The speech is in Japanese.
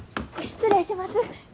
失礼します。